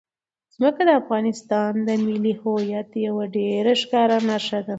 ځمکه د افغانستان د ملي هویت یوه ډېره ښکاره نښه ده.